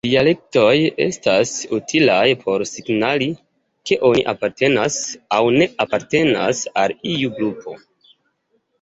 Dialektoj estas utilaj por signali ke oni apartenas aŭ ne apartenas al iu grupo.